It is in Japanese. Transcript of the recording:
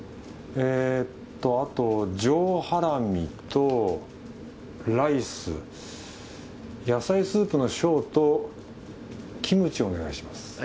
えっとあと上ハラミとライス野菜スープの小とキムチお願いします。